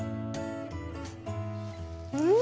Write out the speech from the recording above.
うん。